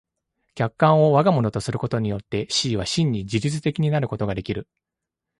客観を我が物とすることによって思惟は真に自律的になることができる。